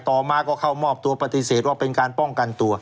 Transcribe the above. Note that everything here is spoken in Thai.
ต่อมาก็เข้ามอบตัวปฏิเสธว่าเป็นการป้องกันตัว